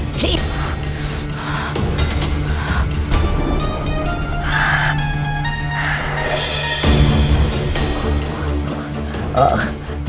ini dia ini dia yang kucari